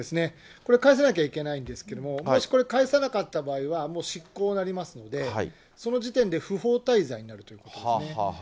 これ、返さなきゃいけないんですけど、もしこれ、返さなかった場合は、もう失効になりますので、その時点で不法滞在になるということですね。